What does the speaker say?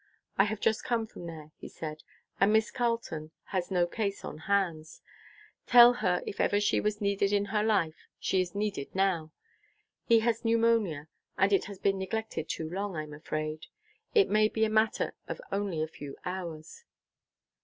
I have just come from there," he said, "and Miss Carleton has no case on hands. Tell her if ever she was needed in her life, she is needed now. He has pneumonia, and it has been neglected too long, I'm afraid. It may be a matter of only a few hours."